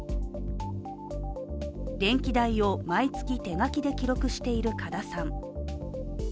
電気代を毎月手書きで記録している加田さん。